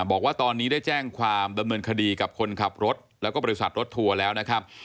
บอกว่าตอนนี้ได้แจ้งความดำเนินคดีกับคนขับรถแล้วก็บริษัทรถทัวร์แล้วนะครับ